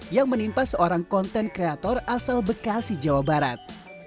yang menimpa seorang konten kreator asal bekasi jawa barat